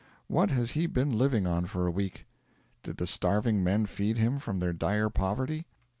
What has he been living on for a week? Did the starving men feed him from their dire poverty?